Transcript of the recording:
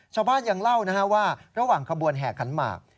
ชาวบ้านยังเล่าว่าระหว่างขบวนแห่ขันหมาก